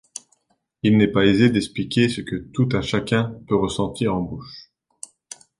Il n'est pas aisé d'expliquer ce que tout un chacun peut ressentir en bouche.